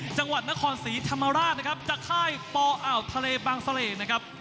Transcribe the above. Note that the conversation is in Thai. จังหวัดนครศรีชะมาราชจากค่ายปอทะเลบางเศรษฐ์